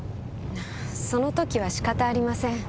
その時は仕方ありません。